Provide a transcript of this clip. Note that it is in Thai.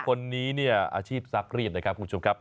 คนนี้เนี่ยอาชีพซักรีดนะครับคุณผู้ชมครับ